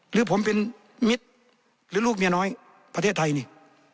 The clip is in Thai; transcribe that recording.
หรือผมเป็นมิตรหรือลูกเมียน้อยประเทศไทยนี่